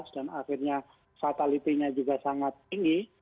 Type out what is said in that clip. dan akhirnya fatality nya juga sangat tinggi